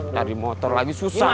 dari motor lagi susah